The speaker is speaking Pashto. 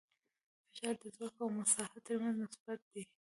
فشار د ځواک او مساحت تر منځ نسبت دی.